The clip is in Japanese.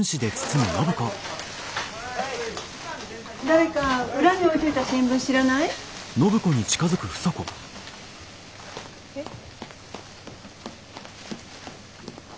誰か裏に置いといた新聞知らない？えっ。